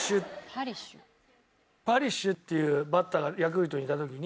パリッシュっていうバッターがヤクルトにいた時に。